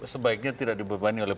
sebaiknya tidak dibebani oleh